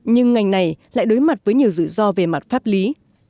nhưng ngành này lại đối mặt với nhiều dự do về mặt pháp lý